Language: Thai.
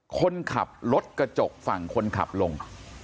คนขับรถกระจกฝั่งคนขับลง